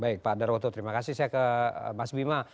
baik pak darwoto terima kasih saya ke mas bima